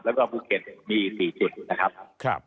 แล้วก็ภูเก็ตมี๔จุดนะครับ